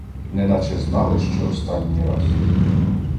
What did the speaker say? неначе знали, що останній раз.